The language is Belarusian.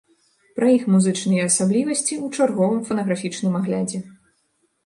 Пра іх музычныя асаблівасці ў чарговым фанаграфічным аглядзе.